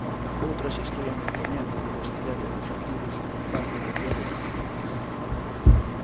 Outra xestión impoñente do vestiario e dos activos por parte de Diego Martínez.